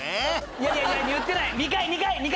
いやいやいや言ってない。